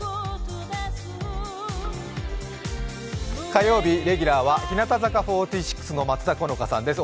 火曜日、レギュラーは日向坂４６の松田好花さんです。